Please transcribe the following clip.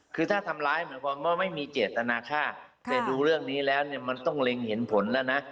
คือถ้าทำร้ายหมายความว่าไม่มีเจตนาค่าแต่ดูเรื่องนี้แล้วเนี่ยมันต้องเล็งเห็นผลแล้วนะ